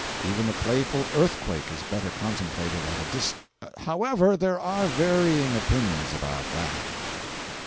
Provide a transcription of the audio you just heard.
Even the playful earthquake is better contemplated at a dis— However there are varying opinions about that.